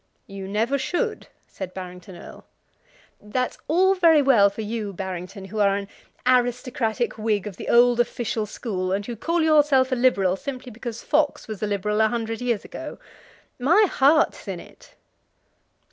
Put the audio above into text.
"You never should," said Barrington Erle. "That's all very well for you, Barrington, who are an aristocratic Whig of the old official school, and who call yourself a Liberal simply because Fox was a Liberal a hundred years ago. My heart's in it."